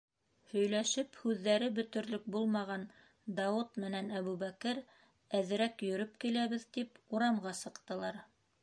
Һөйләшеп һүҙҙәре бөтөрлөк булмаған Дауыт менән Әбүбәкер, әҙерәк йөрөп киләбеҙ тип, урамға сыҡтылар.